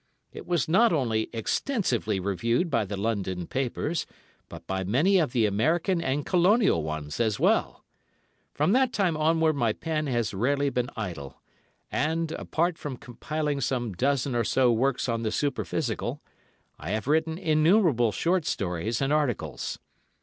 It was not only extensively reviewed by the London papers, but by many of the American and Colonial ones as well. From that time onward my pen has rarely been idle, and, apart from compiling some dozen or so works on the Superphysical, I have written innumerable short stories and articles.